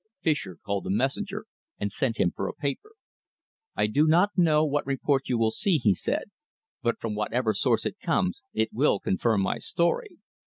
Fischer called a messenger and sent him for a paper. "I do not know what report you will see," he said, "but from whatever source it comes it will confirm my story.